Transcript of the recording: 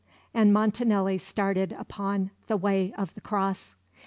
and Montanelli started upon the Way of the Cross.